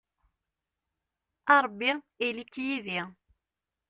A Ṛebbi ili-k yid-i.